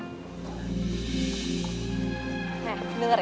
nah dengar ya